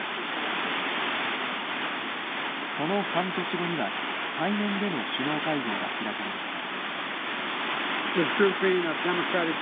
その半年後には、対面での首脳会合が開かれました。